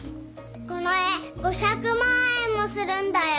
この絵５００万円もするんだよ！